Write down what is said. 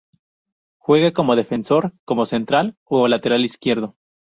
Juega como defensor, como central o lateral izquierdo.